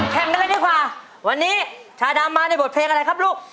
แข่งกันเลยดีกว่าวันนี้ชาดำมาในบทเพลงอะไรครับลูก